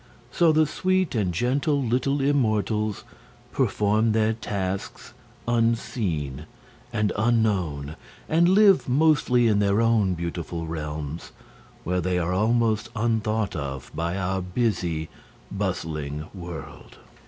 So the sweet and gentle little immortals perform their tasks unseen and unknown, and live mostly in their own beautiful realms, where they are almost unthought of by our busy, bustling world.